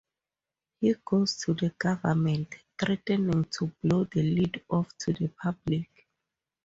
He goes to the government, threatening to blow the lid off to the public.